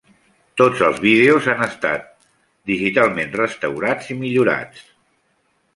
Tots els vídeos han estat digitalment restaurats i millorats.